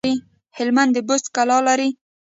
هلمند د بست کلا لري